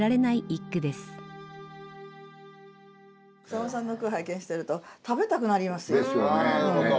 草間さんの句を拝見してると食べたくなりますよ。ですよね。